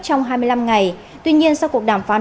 trong hai mươi năm ngày tuy nhiên sau cuộc đàm phán